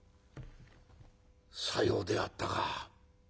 さようであったか。